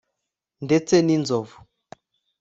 ndetse ninzovu